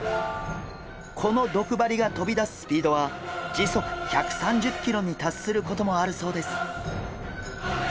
この毒針が飛び出すスピードは時速１３０キロに達することもあるそうです。